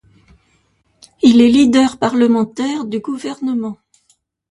Il est leader parlementaire du gouvernement.